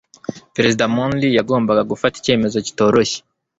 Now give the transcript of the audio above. Perezida Monroe yagombaga gufata icyemezo kitoroshye.